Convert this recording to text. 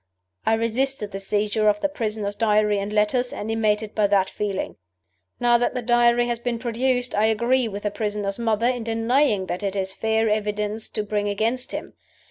I resisted the seizure of the prisoner's Diary and letters, animated by that feeling. Now that the Diary has been produced, I agree with the prisoner's mother in denying that it is fair evidence to bring against him.